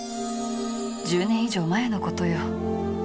１０年以上前のことよ。